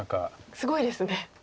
すごいですね。